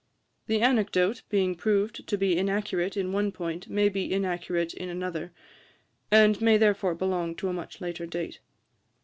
The anecdote, being proved to be inaccurate in one point, may be inaccurate in another, and may therefore belong to a much later date.